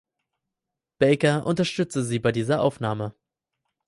Baker unterstütze sie bei dieser Aufnahme.